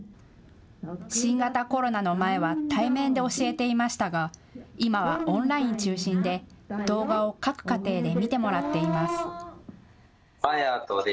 新型コロナの前は対面で教えていましたが今はオンライン中心で動画を各家庭で見てもらっています。